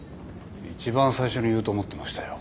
一番最初に言うと思ってましたよ。